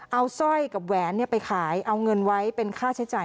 เอาสร้อยกับแหวนไปขายเอาเงินไว้เป็นค่าใช้จ่าย